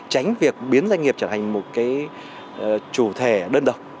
tránh việc biến doanh nghiệp trở thành một chủ thể đơn độc